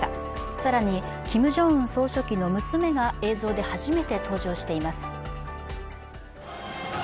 更にキム・ジョンウン総書記の娘が映像で初めて登場しています。